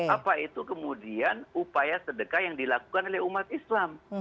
apa itu kemudian upaya sedekah yang dilakukan oleh umat islam